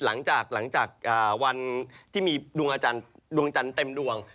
หลังจากวันที่มีดวงจันทร์เต็มดวง